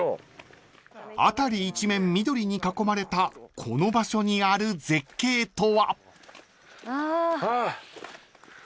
［辺り一面緑に囲まれたこの場所にある絶景とは？］